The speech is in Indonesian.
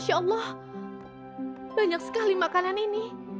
masya allah banyak sekali makanan ini